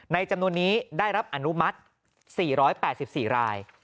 จำนวนนี้ได้รับอนุมัติ๔๘๔ราย